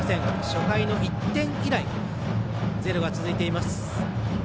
初回の１点以来ゼロが続いています。